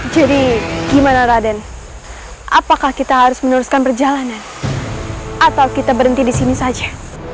jadi gimana raden apakah kita harus meneruskan perjalanan atau kita berhenti di sini saja